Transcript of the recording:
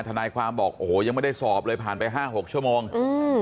ทนายความบอกโอ้โหยังไม่ได้สอบเลยผ่านไปห้าหกชั่วโมงอืม